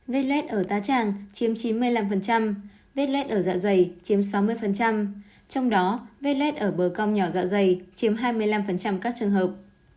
vết lết ở tá tràng chiếm chín mươi năm vết lết ở dạ dày chiếm sáu mươi trong đó vết lết ở bờ cong nhỏ dạ dày chiếm hai mươi năm các trường hợp